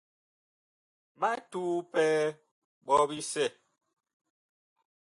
Ɓa tuu pɛɛ ɓɔ bisɛ.